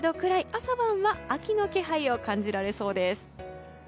朝晩は秋の気配を感じられそうです。